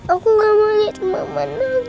aku gak mau liat mama nangis